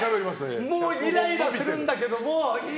もうイライラするんだけども。